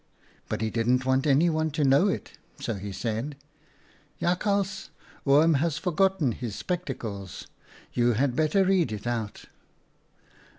But he didn't want anyone to know it, so he said :"* Jakhals, Oom has forgotten his spec tacles ; you had better read it out."